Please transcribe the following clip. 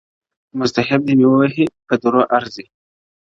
• محتسب مي دي وهي په دُرو ارزي,